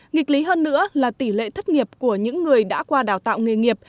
nghịch lý hơn nữa là tỷ lệ thất nghiệp của những người đã qua đào tạo nghề nghiệp